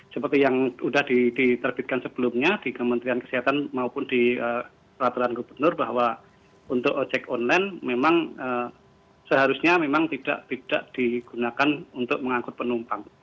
seperti yang sudah diterbitkan sebelumnya di kementerian kesehatan maupun di peraturan gubernur bahwa untuk ojek online memang seharusnya memang tidak digunakan untuk mengangkut penumpang